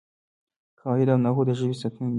قواعد او نحو د ژبې ستنې دي.